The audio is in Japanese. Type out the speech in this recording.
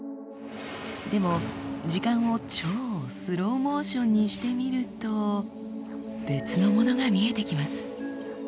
でも時間を超スローモーションにしてみると別のものが見えてきます。